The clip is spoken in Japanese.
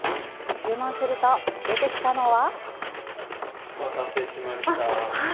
注文すると、出てきたのは。